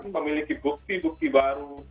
memiliki bukti bukti baru